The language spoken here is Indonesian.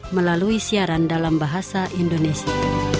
melalui siaran dalam bahasa indonesia